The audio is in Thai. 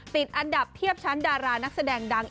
ติดอันดับเทียบชั้นดารานักแสดงดัง